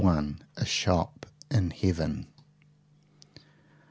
A SHOP IN HEAVEN.